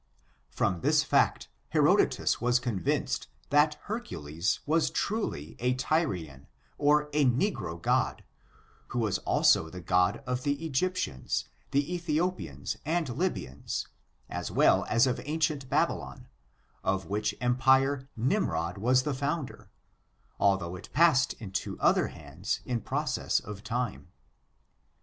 From this fact, Herodotus was convinced that Hercules was truly a Tyrian, or a negro god, who was also the god of the Egyptians, the Ethiopians, and Lybians, as well as of ancient Babylon, of which empire Nimrod was the founder, although it passed into other hands in process of time.